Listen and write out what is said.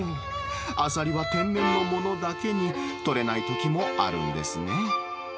アサリは天然のものだけに、取れないときもあるんですね。